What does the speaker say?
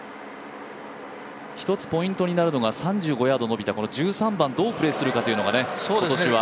１つポイントになるのが３５ヤード伸びた１３番をどうプレーするのかというのが今年は。